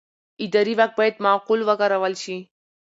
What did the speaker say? اداري واک باید معقول وکارول شي.